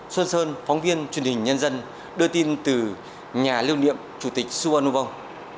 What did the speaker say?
xuân sơn phóng viên truyền hình nhân dân đưa tin từ nhà lưu niệm chủ tịch su van nu vong